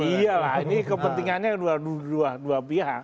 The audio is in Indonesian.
iya lah ini kepentingannya dua pihak